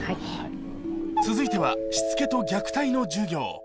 続いてはしつけと虐待の授業